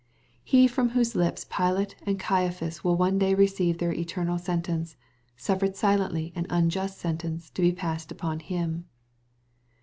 He from whose lips Pilate and Caiaphas will one day receive their eternal sentence, suffered silently an unjust sentence to be passed upon him.